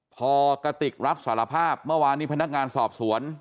พอกติกรับสารภาพเมื่อวานนี้พนักงานสอบสวน